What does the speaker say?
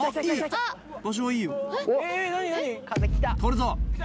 ・取るぞ。